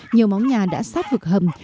nhiều móng nhà đã sát vực hầm